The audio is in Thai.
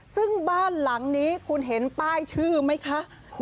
ซึ่งบ้านหลังนี้คุณเห็นป้ายชื่อไหมคะ